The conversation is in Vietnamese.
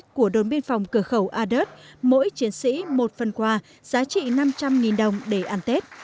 của đồn biên phòng cửa khẩu a đớt mỗi chiến sĩ một phần quà giá trị năm trăm linh đồng để ăn tết